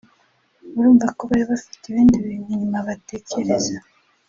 urumva ko bari bafite ibindi bintu inyuma batekereza